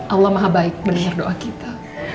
allah maha baik mendengar doa kita